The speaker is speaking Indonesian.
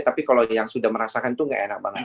tapi kalau yang sudah merasakan itu nggak enak banget